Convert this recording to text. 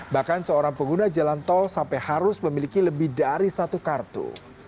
bahkan seorang pengguna jalan tol sampai harus memiliki lebih dari satu kartu